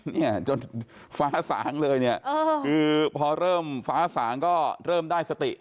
เนี่ยจนฟ้าสางเลยเนี่ยคือพอเริ่มฟ้าสางก็เริ่มได้สติ